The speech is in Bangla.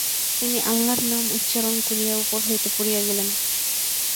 তিনি আল্লার নাম উচ্চারণ করিয়া উপর হইতে পড়িয়া গেলেন।